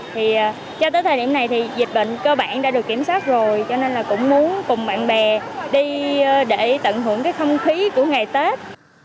thì cho tới thời điểm này thì dịch bệnh cơ bản đã được kiểm soát rồi cho nên là cũng muốn cùng bạn bè đi để tận hưởng cái không khí của ngày tết